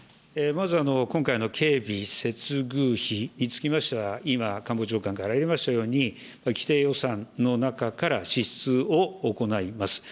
まず、今回の警備接遇費につきましては、今、官房長官からありましたように、既定予算の中から支出を行います。